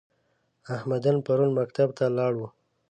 احمدن پرون مکتب ته لاړ و؟